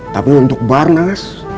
tapi untuk barnas